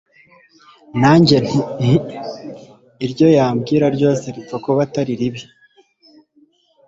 nanjye nti hhhm! iryo yambwira ryose ripfa kuba atari ribi